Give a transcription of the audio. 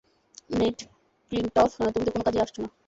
Neat ক্লিনটফ, তুমি তো কোন কাজেই আসছো না।